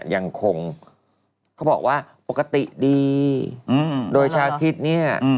ยังคงเขาบอกว่าปกติดีโดยชาคิดเนี่ย